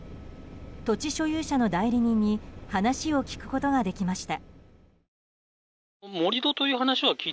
土地所有者の代理人に話を聞くことができました。